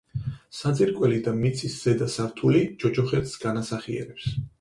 საძირკველი და მიწის ზედა სართული ჯოჯოხეთს განასახიერებს.